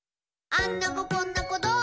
「あんな子こんな子どんな子？